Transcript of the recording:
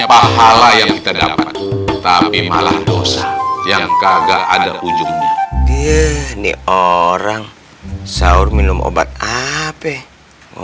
pahala yang kita dapat tapi malah dosa yang kagak ada ujungnya dia nih orang sahur minum obat apa mau